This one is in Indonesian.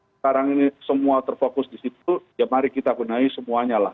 sekarang ini semua terfokus di situ ya mari kita benahi semuanya lah